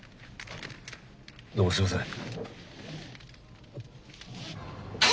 どうもすいません。